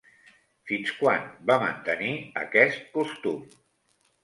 Fins quan va mantenir aquest costum?